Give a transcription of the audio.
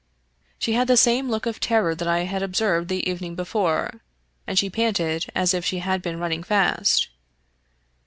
She had the same look of terror that I had observed the evening before, and she panted as if she had been running fast.